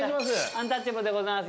アンタッチャブルでございます。